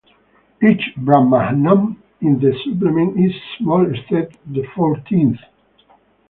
Each brahmanam in the supplement is small except the fourteenth.